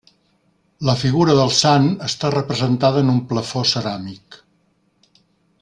La figura del Sant està representada en un plafó ceràmic.